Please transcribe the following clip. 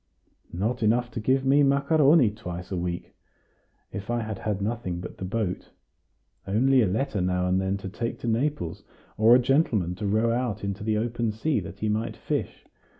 "Not enough to give me macaroni twice a week, if I had had nothing but the boat only a letter now and then to take to Naples, or a gentleman to row out into the open sea, that he might fish.